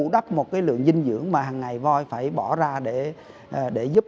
đất rừng bị thu hẹp